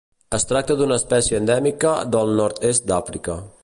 Es tracta d'una espècie endèmica del nord-est d'Àfrica.